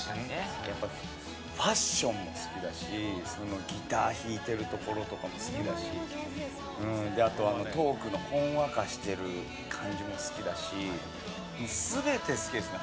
ファッションも好きだしギター弾いてるところとかも好きだしトークのほんわかしてる感じも好きだし全て好きですね。